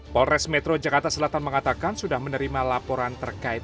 polres metro jakarta selatan mengatakan sudah menerima laporan terkait